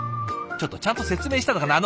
ちょっとちゃんと説明したのかな？